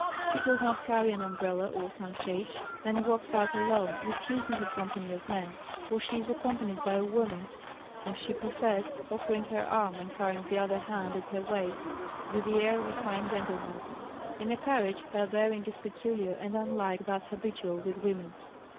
She does not carry an umbrella or sunshade, and walks out alone, refusing the company of men; or she is accompanied by a woman, as she prefers, offering her arm and carrying the other hand at her waist, with the air of a fine gentleman. In a carriage her bearing is peculiar and unlike that habitual with women.